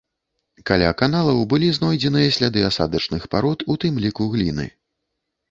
Каля каналаў былі знойдзеныя сляды асадачных парод, у тым ліку гліны.